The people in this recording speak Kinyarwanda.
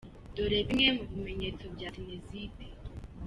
Dore bimwe mu bimenyetso bya sinezite.